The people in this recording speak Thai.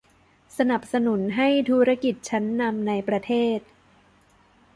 สนับสนุนให้ธุรกิจชั้นนำในประเทศ